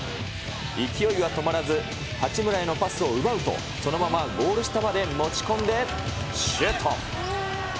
勢いは止まらず、八村へのパスを奪うと、そのままゴール下まで持ち込んでシュート。